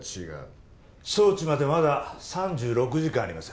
送致までまだ３６時間あります。